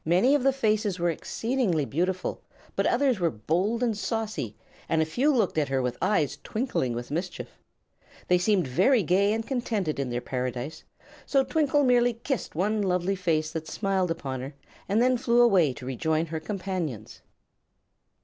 Many of the faces were exceedingly beautiful; but others were bold and saucy, and a few looked at her with eyes twinkling with mischief. They seemed very gay and contented in their paradise, so Twinkle merely kissed one lovely face that smiled upon her and then flew away to rejoin her companions.